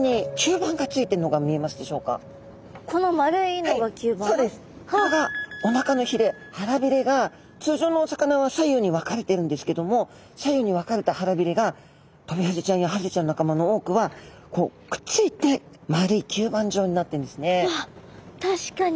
これがおなかのひれ腹びれが通常のお魚は左右に分かれてるんですけども左右に分かれた腹びれがトビハゼちゃんやハゼちゃんの仲間の多くはこうくっついて確かに。